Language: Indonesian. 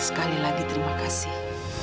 sekali lagi terima kasih